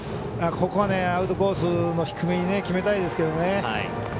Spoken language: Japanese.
ここはアウトコースの低めに決めたいですけどね。